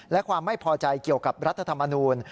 และความไม่พอใจเกี่ยวกับรัฐธรรมนูล